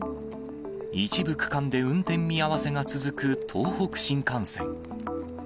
一部区間で運転見合わせが続く東北新幹線。